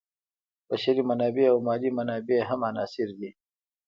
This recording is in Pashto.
بشري منابع او مالي منابع هم عناصر دي.